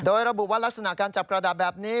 โดยระบุว่ารักษณะการจับกระดาษแบบนี้